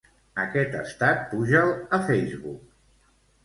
Aquest estat puja'l a Facebook.